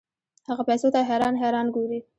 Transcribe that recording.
هغه پیسو ته حیران حیران ګوري.